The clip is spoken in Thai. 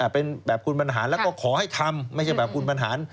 เป็นแบบคุณบรรหารแล้วก็ขอให้ทำไม่ใช่แบบคุณบรรหาร